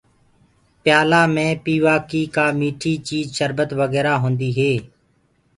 پيآلآ مي پيوآ ڪي ڪآ مٺي چيٚج سربت وگيرا هوندو هي۔